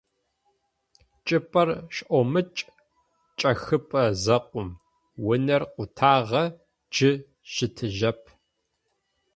Чӏыпӏэр шӏомыкӏ чӏэхыпӏэ зэхъум: унэр къутагъэ, джы щытыжьэп.